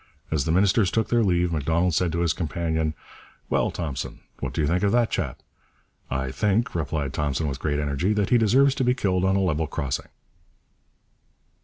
As the ministers took their leave, Macdonald said to his companion, 'Well, Thompson, what do you think of that chap?' 'I think,' replied Thompson with great energy, 'that he deserves to be killed on a level crossing.'